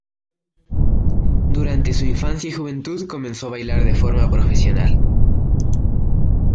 Durante su infancia y juventud comenzó a bailar de forma profesional.